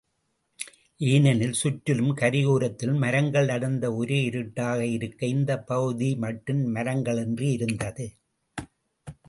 ஏனெனில், சுற்றிலும் கரையோரத்தில் மரங்கள் அடர்ந்து ஒரே இருட்டாக இருக்க, இந்தப் பகுதி மட்டும் மரங்களின்றி இருந்தது.